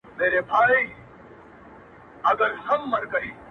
مړ مي مړوند دی.